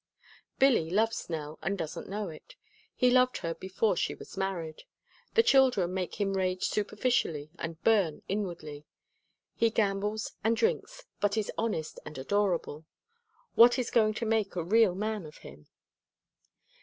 Billy loves Nell and doesn't know it. He loved her before she was married. The children make him rage superficially and burn inwardly. He gambles and drinks, but is honest and adorable. What is going to make a real man of him?